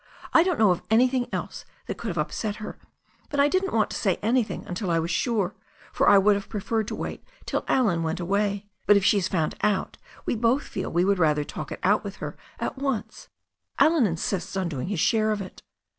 I don't know of any thing else that could have upset her. But I didn't want to say anything until I was sure, for I would have preferred to wait till Allen went away. But if she has found out we both feel we would rather talk it out with her at once« Allen insists on doing his share of it."